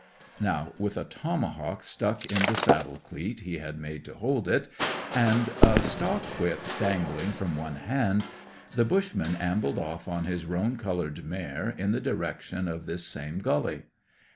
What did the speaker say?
Now, with a tomahawk stuck in the saddle cleat he had made to hold it, and a stock whip dangling from one hand, the bushman ambled off on his roan coloured mare in the direction of this same gully.